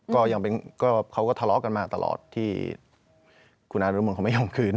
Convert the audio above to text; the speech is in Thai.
ก็ยังเป็นเขาก็ทะเลาะกันมาตลอดที่คุณอารมนต์หรือเปล่าเขาไม่ยอมคืน